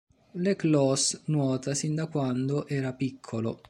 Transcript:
Le Clos nuota sin da quando era piccolo.